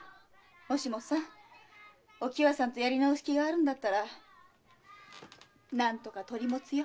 もしもお喜和さんとやり直す気があるんだったら何とか取り持つよ。